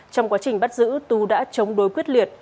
trong quá trình bắt giữ tú đã chống đối quyết liệt